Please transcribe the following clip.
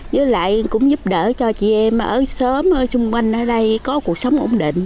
với lại cũng giúp đỡ cho chị em ở sớm ở xung quanh ở đây có cuộc sống ổn định